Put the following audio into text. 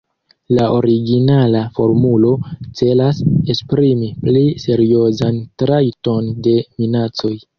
La originala formulo celas esprimi pli seriozan trajton de minacoj.